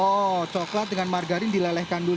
oh coklat dengan margarin dilelehkan dulu